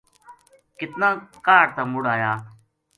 کتنا کاہڈ تا مُڑ آیا